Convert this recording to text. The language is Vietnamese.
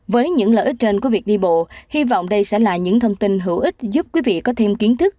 với những lợi ích trên của việc đi bộ hy vọng đây sẽ là những thông tin hữu ích giúp quý vị có thêm kiến thức